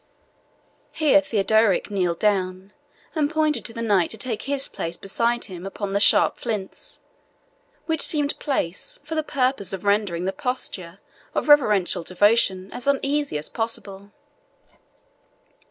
Here Theodorick kneeled down, and pointed to the knight to take his place beside him upon the sharp flints, which seemed placed for the purpose of rendering the posture of reverential devotion as uneasy as possible.